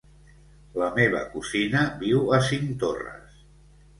La meva cosina viu a Cinctorres.